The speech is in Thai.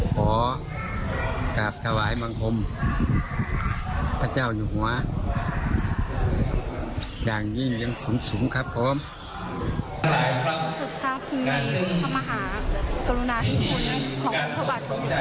สุดทราบทรึงนี้ข้ามหารุณาที่คุณของพระบาทสุพธิพระเจ้าสุพธิ์วะ